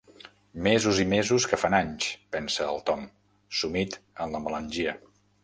Mesos i mesos que fan anys, pensa el Tom, sumit en la melangia.